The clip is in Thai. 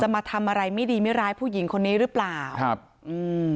มาทำอะไรไม่ดีไม่ร้ายผู้หญิงคนนี้หรือเปล่าครับอืม